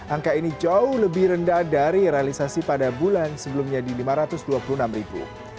angka ini jauh lebih rendah dari realisasi pada bulan sebelumnya di lima ratus dua puluh enam ribu